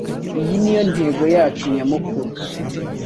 Iyi niyo ntego yacu nyamukuru.